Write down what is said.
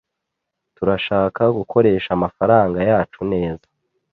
Turashaka gukoresha amafaranga yacu neza.